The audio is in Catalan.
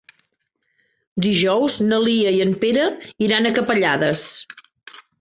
Dijous na Lia i en Pere iran a Capellades.